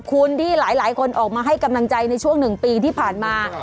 คุณที่หลายคนออกมาให้กำลังใจในช่วง๑ปีที่ผ่านมา